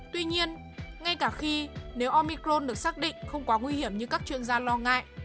tuy nhiên ngay cả khi nếu omicron được xác định không quá nguy hiểm như các chuyên gia lo ngại